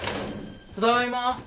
ただいま。